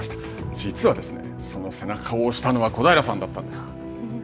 実はその背中を押したのは小平さんだったんです。